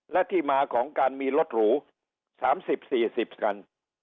และที่มาของการมีรถหรู๓๐๔๐คัน